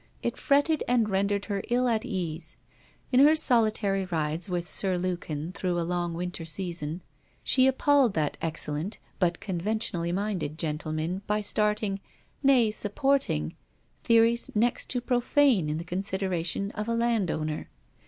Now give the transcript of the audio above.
It fretted and rendered her ill at ease. In her solitary rides with Sir Lukin through a long winter season, she appalled that excellent but conventionally minded gentleman by starting, nay supporting, theories next to profane in the consideration of a land owner.